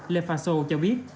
lefaso cho biết